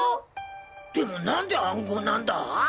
でも何で暗号なんだ？